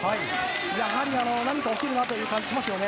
やはり何か起きるなという感じがしますね。